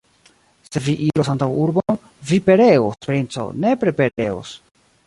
Se vi iros antaŭurbon, vi pereos, princo, nepre pereos!